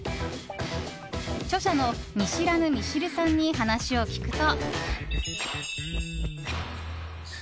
著者の見知らぬミシルさんに話を聞くと。